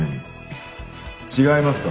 違いますか？